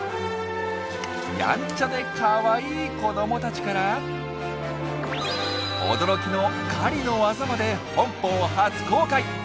やんちゃでかわいい子どもたちから驚きの狩りの技まで本邦初公開！